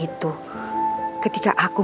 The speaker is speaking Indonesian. itu ketika aku